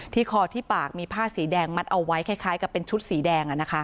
คอที่ปากมีผ้าสีแดงมัดเอาไว้คล้ายกับเป็นชุดสีแดง